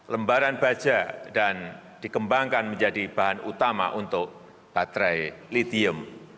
lembaran baja dan dikembangkan menjadi bahan utama untuk baterai litium